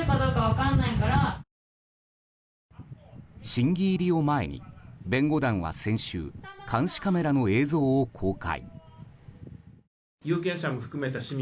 審議入りを前に、弁護団は先週監視カメラの映像を公開。